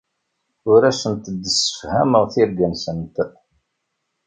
Ur asent-d-ssefhameɣ tirga-nsent.